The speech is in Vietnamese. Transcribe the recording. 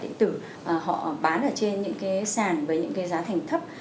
cục thương mại điện tử bán ở trên sàn với giá thành thấp